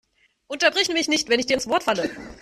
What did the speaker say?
Unterbrich mich nicht, wenn ich dir ins Wort falle!